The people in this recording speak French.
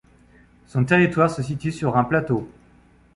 Son territoire se situe sur un plateau.